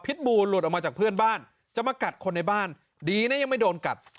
บูหลุดออกมาจากเพื่อนบ้านจะมากัดคนในบ้านดีนะยังไม่โดนกัด